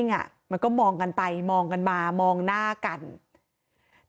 แต่แท็กซี่เขาก็บอกว่าแท็กซี่ควรจะถอยควรจะหลบหน่อยเพราะเก่งเทาเนี่ยเลยไปเต็มคันแล้ว